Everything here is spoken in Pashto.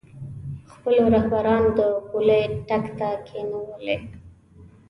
خپلو رهبرانو د پولۍ ټک ته کېنولو.